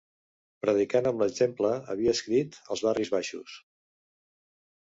Predicant amb l'exemple, havia escrit Els barris baixos